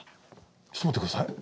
ちょっと待って下さい。